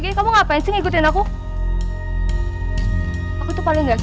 jadi kamu gak usah ngikutin aku kemana mana